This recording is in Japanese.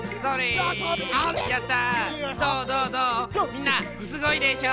みんなすごいでしょ？